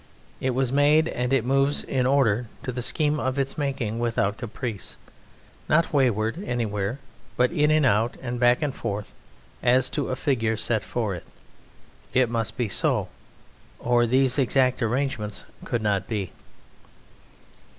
It was made, and it moves in order to the scheme of its making without caprice, not wayward anywhere, but in and out and back and forth as to a figure set for it. It must be so, or these exact arrangements could not be.